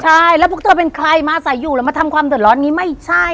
ใช่แล้วพวกเธอเป็นใครมาใส่อยู่แล้วมาทำความเดือดร้อนนี้ไม่ใช่